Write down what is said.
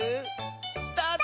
スタート！